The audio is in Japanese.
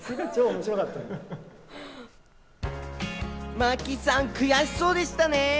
真木さん、悔しそうでしたね。